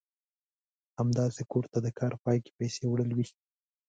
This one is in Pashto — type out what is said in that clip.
همداسې کور ته د کار پای کې پيسې وړل وي.